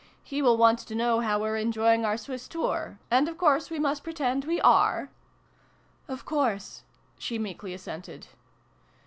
" He will want to know how we're enjoying our Swiss tour : and of course we must pretend we are ?"" Of course," she meekly assented.